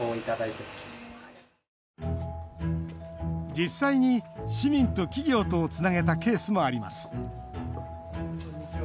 実際に市民と企業とをつなげたケースもあります。